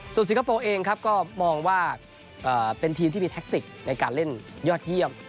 ส่วนสิงคโปร์เองครับก็มองว่าเป็นทีมที่มีแท็กติกในการเล่นยอดเยี่ยม